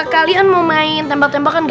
kalian mau main tembak tembakan